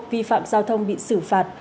vi phạm giao thông bị xử phạt